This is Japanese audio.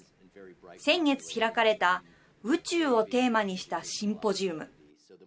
先月開かれた宇宙をテーマにしたシンポジウム。